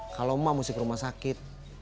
kalau ma mesti ke rumah sakit